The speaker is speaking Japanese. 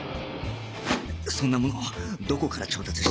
そんなものどこから調達した？